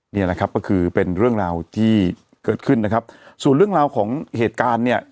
นี่นะครับก็คือเป็นเรื่องราวที่เกิดขึ้นนะครับส่วนเรื่องราวของเหตุการณ์เนี่ย